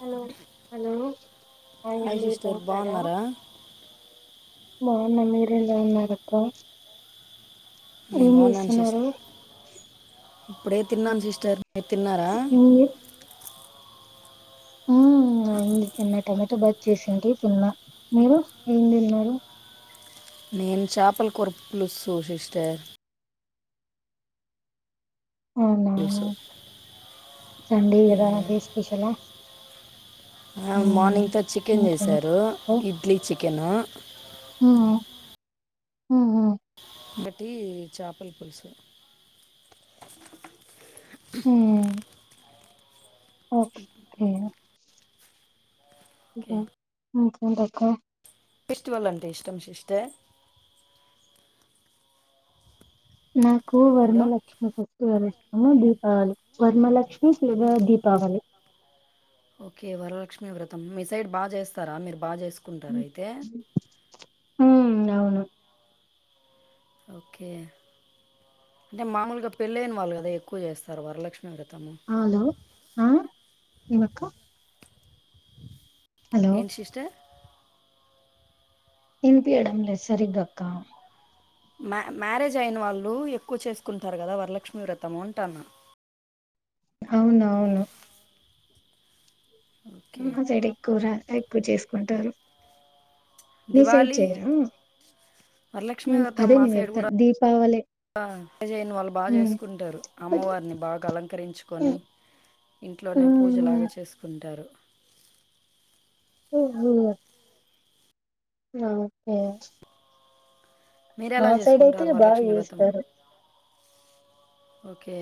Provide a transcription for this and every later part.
Hello hello hi hello sister బాగున్నారా బాగున్న మీరెలా ఉన్నారక్క నేను ఏం బాగున్నాను చేస్తున్నారు సిస్టర్ ఇప్పుడే తిన్నాను సిస్టర్ మీరు తిన్నారా ఆ అయింది తిన్నా టమాటా బాత్ చేసింటి తిన్నా మీరు ఏం తిన్నారు నేను చేపల కూర పులుసు సిస్టర్ అవునా సండే కదా అదే స్పెషలా అవ్ ఉమ్ మార్నింగ్తో చికెన్ ఇంకేంటి చేశారు ఇడ్లీ చిక్ కేలా ఊ ఉ ఉ కటి చేపల పులుసు మ్మ్ ఓకే ఏమో ఇంక ఓకే మ్మ్ ఎంటక్క ఫెస్టివల్ అంటే ఇష్టం సిస్టర్ నాకు hello Varamalakshmi festival is a Deepavali Varalakshmi [unintelligible] Deepavali okay Varalakshmi వ్రతం మీ సైడ్ బాగా చేస్తారా మీరు బాగా చేసుకుంటారా అయితే హ్మ్ అవును ఓకే అంటే మామూలుగా పెళ్ళైన వాళ్ళు కదా ఎక్కువ చేస్తారు వరలక్ష్ హలో ఆ ఏమక్క హలో ఏంటి సిస్టర్ ఇనిపియ్యడం లేదు సరిగ్గా అక్కా మ్యా మ్యారేజ్ అయిన వాళ్ళు ఎక్కువ చేసుకుంటారు కదా వరలక్ష్మి వ్రతము అంటాన్న అవునవును ఓకే మ్మ్ హు చెడి కూరా ఎక్కువ చేసుకుంటారు మీ సైడ్ దివాళి చేయరా వరలక్ష్మి మ్మ్ వ్రతం అదే నేను చెప్తా దీపావళి. పూజైన వాళ్ళు బాగా ఉమ్, చేసుకుంటారు అమ్మవారిని బాగా అలంకరించుకొని ఇంట్లోనే పూజలాగ ఉమ్, చేసుకుంటారు. ఓహో ఆ ఓకే ప్చ్ మీరు మా ఎలా సైడ్ అయితే చేసుకుంటారు బాగా వరలక్ష్మి వ్రతం చేస్తారు ఓకే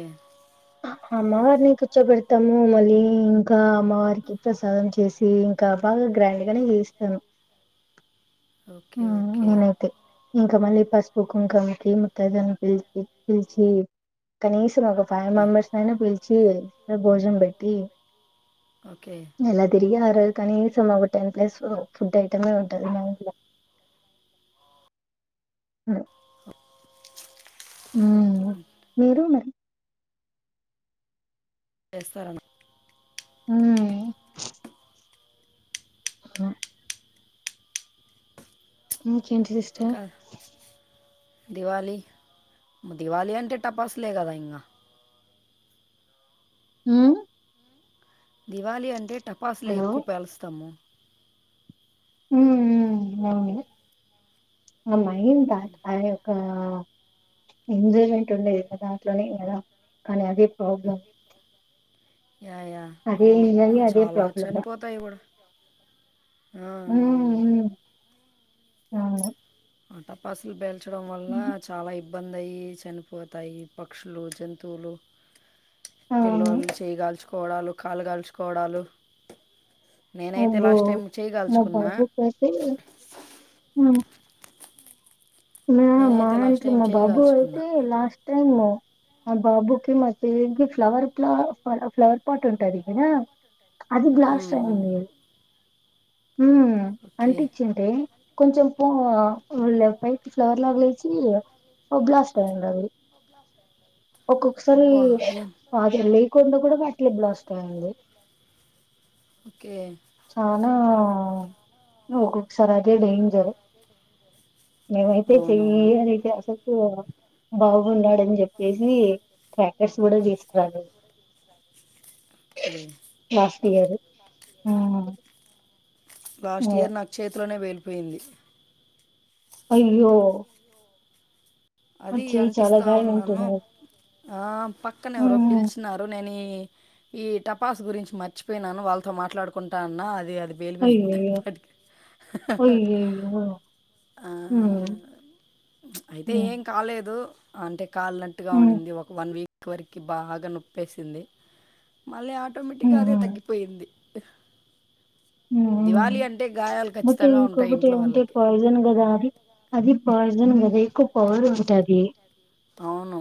అమ్మవారిని కూర్చోబెడతాము మళ్ళీ ఇంకా అమ్మవారికి ప్రసాదం చేసి ఇంకా బాగా గ్రాండ్ గానే చేస్తాం. ఓకే మ్మ్ ఓకే నేనైతే ఇంక మళ్ళీ పసు పు కుంకమికి ముతైదువని పిలి పిలిచి కనీసం ఒక ఫైవ్ మెంబర్స్ నైనా పిలిచి అ భోజనం పెట్టి ఓకే ఎలా తిరిగి ఆరోజు కనీసం ఒక టెన్ ప్లస్ ఫుడ్ ఐటమే ఉంటది మా ఇంట్లో, అ ఉమ్మ్ మీరు మరి వేస్తారట. మ్ హా మ్ కేంటి సిస్టర్? ఇంకా దివాళీ, దివాళీ అంటే టపస్లే గదా ఇంగా. ఉమ్ దివాళి అంటే టపాసులు హలో ఎక్కువ పేలుస్తాము. మ్ మ్ అవును, ఆ మైండ్ దాటిపాయే ఒక్క ఎంజాయిమెంట్ ఉండేది గదా అట్లానే గదా కానీ అదే ప్రాబ్లం. యా యా అదే అవును, ఎంజాయ్ అ అదే చాల ప్రాబ్లం చనిపోతాయి గుడా. ఆ ఆ ఔను. ఆ టపాసులు బెల్ చడం వల్ల చాలా ఇబ్ బ్బంది అయి చనిపోతాయి పక్షులు, జంతువులు. అవును పిలొల్లు చేయగాల్చు కోవడాలు కాలు కాల్చుకోవడాలు నేనైతే అబ్బో లాస్ట్ టైం చెయ్యి నా కాల్చుకున్నా. బాబుకి అయితే మా మా నేనైతే లాస్ట్ ఇంట్లో టైం మా చెయ్యి బాబు కాల్చుకున్నా. అయితే లాస్ట్ టైమ్ ఆ బాబుకి [unintelligible] ఫ్లవర్ ప్లా ఫ్లవర్ పాట్ ఉంటది గదా. అది గ్రాస్ హ్మ్. Strain hmm. ఉంది. Um okay. అంటిచుంటే కొంచం పో లెఫ్ట్ రైట్. ఫ్లవర్ లా లేచి ఒ బ్లాస్ట్ అయింది అది, ఒక్కొక్కసారి అబ్బా! ఏం ఆగి లేకుండ గూడ అట్లే బ్లాస్ట్ అయ్యంది. ఓకే. చాన ఒక్కోక సారి అదే డేంజర్. నేనైతే అవునవును. చేయా చేస్తే ఆసక్తి గదా. భౌ ఉండాడని జెప్పేసి ట్రాక్టర్స్ గూడ జేస్టాళ్లు ఓకే. Last year. హు హు హుమ్ పోయింది. అయ్యో ఆ అది చెయ్యి చాలా అంటిస్తా గాయం ఉన్నాను, ఉంటుంది ఆ పక్కన ఎవరో హ్మ్ పిలిచినారు నేనీ ఈ టపాస్ గురించి మర్చిపోయినాను వాళ్ళతో మాట్లాడుకుంటా అన్న అది అ అయ్యయ్యో పేలిపోయిందట అయ్యయ్యో ఆ హ్మ్ అయితే హ్మ్ ఏం లేదు అంటే కాల్నట్టుగా ఉంది ఒక వన్ వీక్ చివరికి బాగా నొప్పేసింది మళ్ళీ ఆ ఆటోమేటిక్గా హ్మ్ అదే తగ్గిపోయింది దివాళీ అంటే గాయాలు బట్ ఖచ్చితంగా ఉంటాయి ఇంకొకటి ఇంట్లో ఏమంటే వాళ్ళకి పాయిజన్ కదా అది అది పాయి యిజన్ మీద ఎక్కువ పవర్ ఉంటది అవును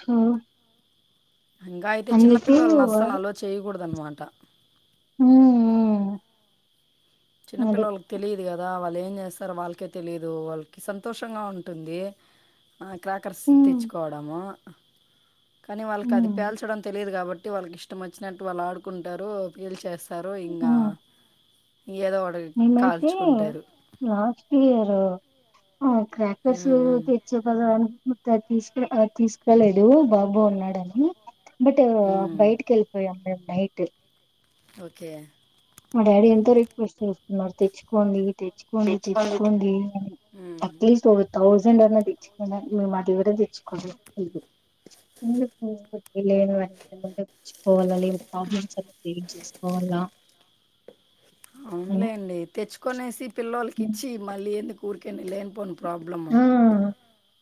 సో ఇంకా అయితే అందుకు చిన్నపిల్లలని అస్సలు అల్లౌ చేయకూడదు అన్నమాట టా హ్మ్మ్ చిన్నపిల్లోలకీ తెలీదు కదా వా వాళ్లేం చేస్తారో వాళ్ళకే తెలీదు వాళ్లకు సంతోషంగా ఉంటుంది క్రాకర్స్ హ్మ్ తెచ్చుకోవడము కానీ వాళ్ళకి అది హ్మ్ పేల్చడం తెలియదు కాబట్టి వాళ్ళకి ఇష్టం వచ్చినట్టు వాళు ఆడుకుంటారు పీల్ చేస్తారు తారు యింగా హ్మ్ మేమైతే లాస్ట్ ఇయర్ ఆ క్రాకర్స్ ఉమ్, ఉమ్, తెచ్చేవలానికి తీసుకు తీసుకురలేడు బాబు ఉన్నాడని బట్ ఉమ్. బయటకీ వెళ్ళిపోయి ఉంటాడు నైట్ ఓకే మా డాడీ ఎంతో రిక్వెస్ట్ చేస్తున్నారు తెచ్చుకోండి తెచ్చుకోండి తెచ్చుకోండి ఉమ్. అట్లీస్ట్ ఒక థౌసండ్ అన్నా తెచ్చుకోండి మేము అది కూడ తెచ్చు ఉహు ఎందుకు లేని ముందు తెచ్చుకోవాలీ లేనీ ప్రాబ్లమ్స్ అని అవునులే అండి తెచ్చుకో కొనేసి పిల్లోలకి ఇచ్చి మళ్ళీ ఎందుకు ఊరికేనే లేనిపోని ప్రాబ్లమ్ అ ఆ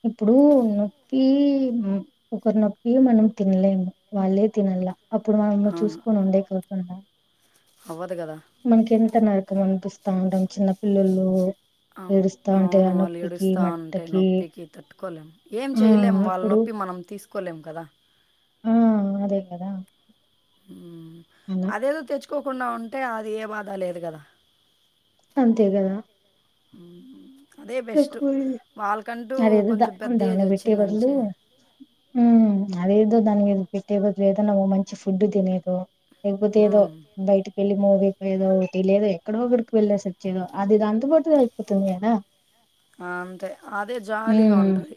ఇప్పుడు నొప్పి ఒకరు నొప్పి మనం తినలేము వాళ్ళే తినాల అప్పుడు మనము చూసుకోనుండే కదా తున్నా అవదు మనకి ఎంత నరకం అనిపిస్తుంది తాంతం చిన్న పిల్లలు అ అవును వాళ్ళు ఏడుస్తా ఉంటే మట్టకి నొప్పికి తట్టుకోలేము ఏం ఆ! చేయలేము వాళ్ళ ఇప్పుడు నొప్పి మనం తీసుకోలేము కదా ఆ! అదే కదా అలా అదేదో తెచ్చ తీసుకోకుండా ఉంటే అది ఏ బాధ లేదు కదా అంతే కదా ఉ అదే బెస్ట్ వాళ్ళకంటూ అదేదో దా కొంచెం పెద్ద ఏజ్ వచ్చిందనించి ఉ అదేదో దానికి ఏద పెట్టే బదులు ఏదన్నా మంచి ఫుడ్ తినేదో లేకపోతే ఏదో హ్మ్. బయటకి వెళ్లి మూవీ ఏదో ఒకటి లేదో ఎక్కడో ఒకడికి వెళ్ళే సరిచ్చ ఏదో అది ఇది అందుబాటు అయిపోతుంది కదా అంతే అదే జాలీగా హ్మ్ ఉంటుది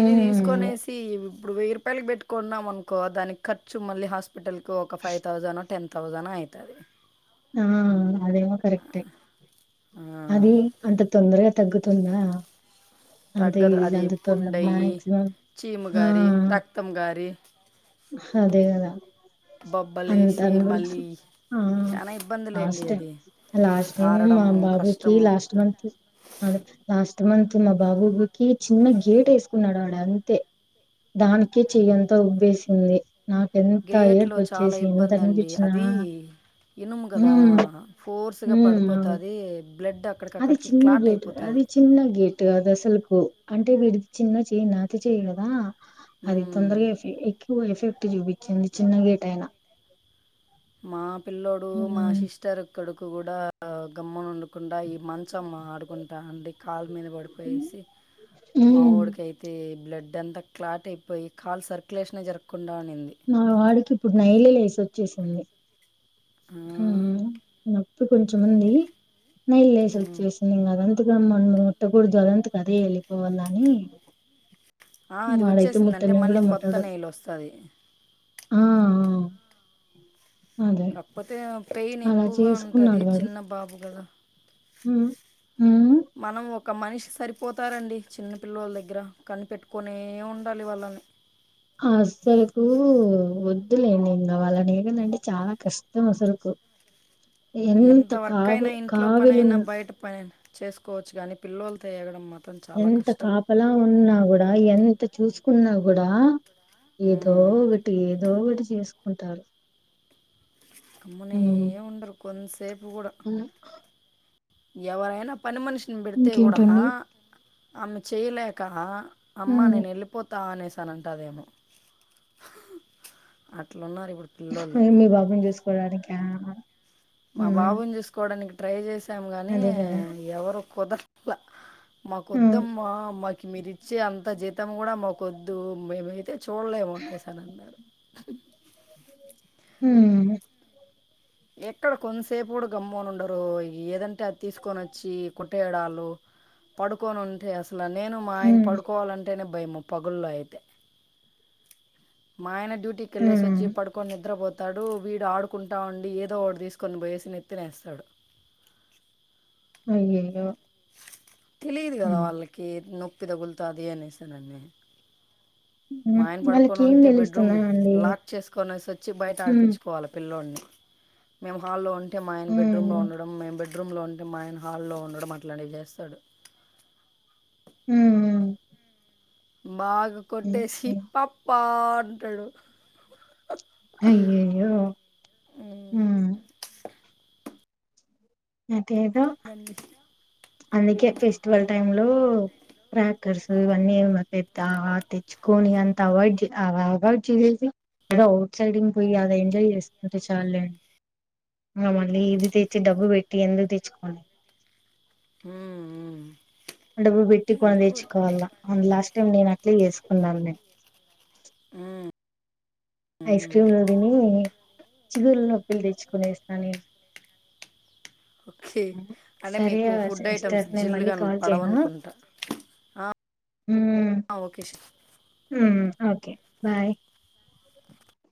ఇది తీసుకొనేసి ఇప్పుడు వెయ్యి రపాయలు పెట్టుకున్నాం అనుకో దానికి ఖర్చు మళ్లీ హాస్పిటల్ పిటల్ ఒక ఫై థౌసనో టెన్ తౌజనా అయితది ఆ అదేమో కరెక్టే అది ఆ! అంత తొందరగా తగ్గుతుందా అంత తగ్గదు ఈజీగా అది అంత తొందర పుండయ్యి మాక్సిమం చీము ఆ గారి రక్తం గారి అదే కదా అంత బొబ్బలేసి అనుభవించి మళ్ళీ ఆ చాలా ఇబ్బందులేండి లాస్ట్ టైమ్ అది లాస్ట్ టైమ్ మా ఆరడము బాబుకి కష్టము లాస్ట్ మంత్ అదే లాస్ట్ మంత్ మా బాబుకి చిన్న గేట్ వేసుకున్నాడు ఆడు అంతే దానికే చెయ్యంతా ఉబ్బేసి ఉంది నాకెంత గేట్లో ఏడుపు చాలా వచ్చేసి ఎంత అనుభవించిన ఇనము కదా ఫోర్స్గా ఉమ్ అవును పడిపోతాది అది చిన్న గేట్ అది చిన్న గేట్ అద సలుకు అంటే విడిది చిన్న చెయి లేత చేయి కదా అది తొందరగా ఎఫ ఎక్కువ ఎఫెక్ట్ చూపించ చిన్న చిన్న గేట్ అయినా మాప్ పిల్లోడు మా ఉమ్ సిస్టర్ కొడుక్ కూడా గమ్మన ఉండకుండా ఈ మంచం ఆడుకుంటా అండి కాలు మీద పడిపోయేసి ఉమ్, మావోడికయితే బ్లడ్ ఇ ఎంత క్లాట్ అయిపోయ్ కాల్ సర్కులేషన్ జరకు మా వాడికి ఇప్పుడు నైలే లేసి వచ్చేసింది ఆ, మ్ ఇప్పుడు కొంచెంముంది నెయిల్ ఉమ్. లేసొచ్చేసింది ఇంకా ఇదుగా మన ముట్ట కూడా అదంతా కదే వెళ్ళిపోవాల అని అది వాడైతే వచ్చేసిందంటే ముట్టనే మళ్ళీ కూడా కొత్త ముట్టడు నైలు వస్థాది ఆ ఆ అదే కాకపోతే పెయిన్ అలా ఎక్కువగా ఉంటది చిన్న బాబు కదా మ్ మ్ మనం ఒక మనిషి సరిపోతారండి చిన్న పిల్లొల్ల దగ్గర కనిపెట్టుకునే ఉండాలి వాళ్ళని అసలుకు వద్దులేండి ఇంకా వాళ్ళ ఏమన్నాంటే చాలా కష్టం అస్సలుకు ఎంత వర్క్ అయినా ఇంట్లో పని అయినా బయట పనియినా చేసుకోవచ్చు కానీ పిల్లొల్లతో ఎగటం మా ఎంత కాపలా ఉన్నా కూడా ఎంత చూసు కున్న కూడా ఏదో ఉమ్. ఒకటి ఏదో ఒకటి చేస్ ఉంటారు గమ్మనే ఉండరు కొన్స్ సేపు కూడా అలా ఎవరైనా పని మనిషిని పెడితే కూడా ఆహా ఇంకేంటండి ఆమె చేయలేక అమ్మా ఉమ్ నేను వెళ్ళిపోతా అనేసి తాను అంటాదేమో అట్లున్నార్ ఇప్ ఏ మీ బాబుని చూసుకోవడానికా మా హ్మ్ బాబుని చూసుకోవడాని ట్రై చేసి టాం కానీ అదే కదా ఎవరు కుదర వ మాకు హ్మ్ వద్దమ్మా మాకి మీరు ఇచ్చే అంత జ మొత్తం కూడా మాకొద్దు మేమైతే చూడలేము అనేసి అన్నారు హమ్ ఎక్కడ కొంతసేపు కూడా గమ్మని ఉండరు ఏదం ఆ తీసుకొని వచ్చి కు పేడాలు పడుకొని ఉంటే అస్ లా నేను మా ఆయన హ్మ్ పడుకోవాలంటేనే భయంము పగుళ్లు అయితే మా ఆయన్ డ్యూటీకి ఎల్లేసి హ్మ్ వచ్చి పడుకొని నిద్రపో తడు వీడు ఆడుకుంటా ఉం ఏదో ఒకటి తీసుకొని పోయేసి నెత్తిన ఏస్తాడు అయ్యయ్యో తెలిదు కదా హ్మ్ వాళ్ళకి నొ పేదవులుతాది అనేసి అని అన్నారు మా హ్మ్ ఆయన పడుకొని వాళ్ళకేం ఉంటే బెడ్రూమ్ తెలుస్తుందా అండి? లాక్ చేసుకొనేసి వచ్చి బయట హ్మ్ ఆడిపిచ్చుకోవాలి పిల్లోడిని మేము హాల్లో ఉం టె మా ఆయన బెడ్రూమ్ లో హ్మ్ ఉండడం మేం బాత్రూంలో ఉంటే మా ఆయన హాల్లో ఉండడం అట్లాటివి చేస్తాడు హమ్ మాగ్ కొట్టేసి పప్పా పంతడు అయ్యయ్యో హమ్ హ ఏదో దాన్ని అందుకే పిల్లోలతో ఫెస్టివల్ టైమ్ లో ప్రాక్ క్కర్స్ ఇవన్నీ ఆ తా తెచ్చుకొని అంత అవాయిడ్ అవాయిడ్ చేసేసి ఏదో అవుట్ సైడింగ్ పోయి అలా ఎంజాయ్ చేసుకుంటే చాల్లులెండి ఇంకా మళ్ళీ ఇది తెచ్చి డబ్బు పెట్టి ఎందుకు తెచ్చుకోని మ్ మ్ డబ్బు పెట్టి కొని తెచ్చుకోవాలా అన్ లాస్ట్ టైం నేను అట్లే చేసా కున్నాన్నే ఉమ్ ఐస్ ఉమ్ క్రీమ్లు తిని చిగుళ్ల నొప్పిలు తెచ్చుకునేసిన నేను అంటె సరే మీకు ఫుడ్ ఐటమ్స్ సిస్టర్ నేను మళ్ళీ జిల్లుగా కాల్ పడవనుకుంటా ఆహ్ హమ్ హమ్ ఆహ్ ఒకే బాయ్